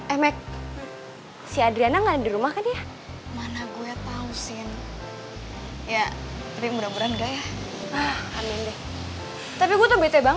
emek si adriana nggak di rumahnya mana gue tahu sien ya tapi mudah mudahan